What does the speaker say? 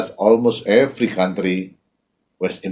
sama seperti hampir setiap negara